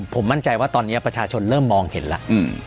ผมมั่นใจว่าตอนนี้ประชาชนเริ่มมองเห็นแล้ว